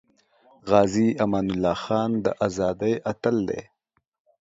غازی امان الله خان د ازادی اتل دی